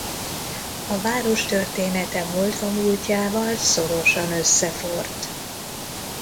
A város története Moldva múltjával szorosan összeforrt.